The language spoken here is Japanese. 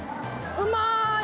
うまーい。